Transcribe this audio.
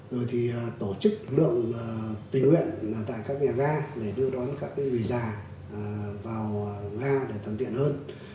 rồi thì tổ chức lực lượng tình nguyện tại các nhà ga để đưa đón các người già vào ga để thuận tiện hơn